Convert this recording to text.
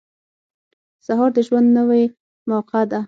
• سهار د ژوند نوې موقع ده.